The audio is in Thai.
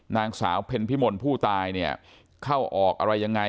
นางสาวเพ็ญพิมลผู้ตายเนี่ยเข้าออกอะไรยังไง